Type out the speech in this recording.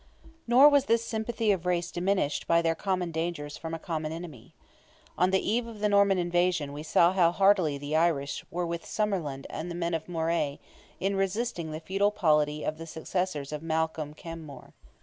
Nor was this sympathy of race diminished by their common dangers from a common enemy. On the eve of the Norman invasion we saw how heartily the Irish were with Somerled and the men of Moray in resisting the feudal polity of the successors of Malcolm Caen More.